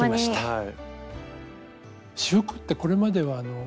はい。